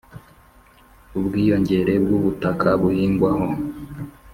ubwiyongere bw'ubutaka buhingwaho